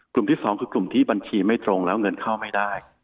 ที่สองคือกลุ่มที่บัญชีไม่ตรงแล้วเงินเข้าไม่ได้